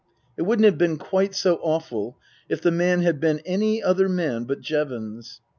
It wouldn't have been quite so awful if the man had been any other man but Jevons.